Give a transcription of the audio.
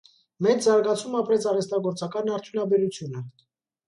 Մեծ զարգացում ապրեց արհեստագործական արդյունաբերությունը։